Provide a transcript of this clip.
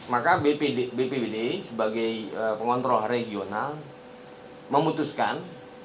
maka bpbd sebagai pengontrol regional memutuskan